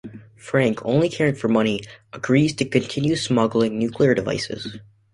Frank, only caring for money, agrees to continue smuggling nuclear devices.